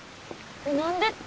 何で？